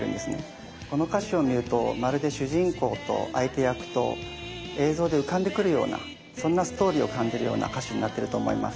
この歌詞を見るとまるで主人公と相手役と映像で浮かんでくるようなそんなストーリーを感じるような歌詞になってると思います。